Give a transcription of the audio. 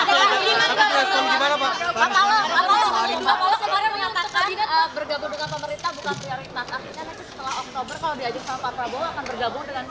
akhirnya nanti setelah oktober kalau diajukan pak prabowo akan bergabung dengan